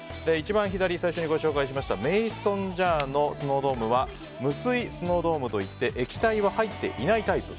最初にご紹介しましたメイソンジャーのスノードームは無水スノードームといって液体は入っていないタイプ。